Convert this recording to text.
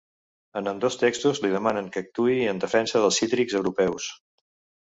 En ambdós textos li demanen que actuï en defensa dels cítrics europeus.